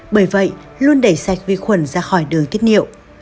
bởi vậy luôn đẩy sạch vi khuẩn ra khỏi đường tiết niệu